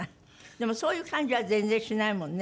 でもそういう感じは全然しないもんね。